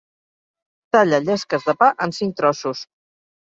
Talla llesques de pa en cinc trossos